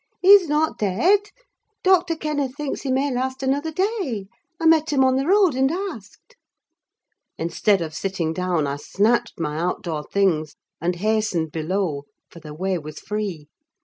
He's not dead; Doctor Kenneth thinks he may last another day. I met him on the road and asked." Instead of sitting down, I snatched my outdoor things, and hastened below, for the way was free.